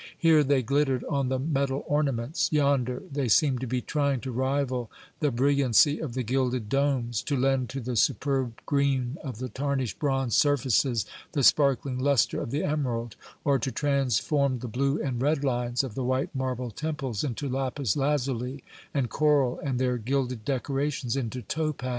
Here they glittered on the metal ornaments, yonder they seemed to be trying to rival the brilliancy of the gilded domes, to lend to the superb green of the tarnished bronze surfaces the sparkling lustre of the emerald, or to transform the blue and red lines of the white marble temples into lapis lazuli and coral and their gilded decorations into topaz.